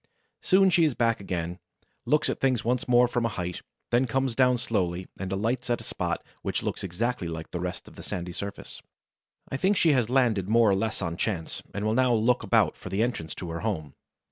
Soon she is back again, looks at things once more from a height, then comes down slowly and alights at a spot which looks exactly like the rest of the sandy surface. I think she has landed more or less on chance, and will now look about for the entrance to her home.